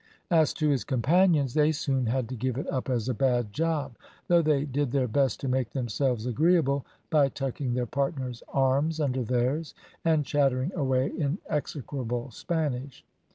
As to his companions they soon had to give it up as a bad job, though they did their best to make themselves agreeable by tucking their partners' arms under theirs, and chattering away in execrable Spanish.